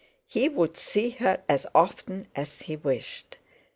He would see her as often as he wished!